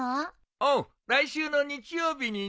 おう来週の日曜日にな。